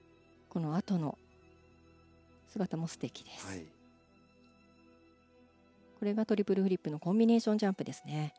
これはトリプルフリップのコンビネーションジャンプですね